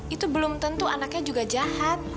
itu belum tentu anaknya juga jahat